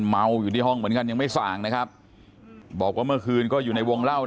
เขย่าลูกกูกูอ่ะอยากถามมาทำกูกูเลยมั้ยก็ทำมึงไหม